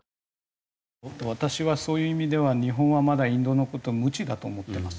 私はそういう意味では日本はまだインドの事無知だと思ってます。